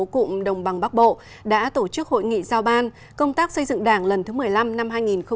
cụm đồng bằng bắc bộ đã tổ chức hội nghị giao ban công tác xây dựng đảng lần thứ một mươi năm năm hai nghìn hai mươi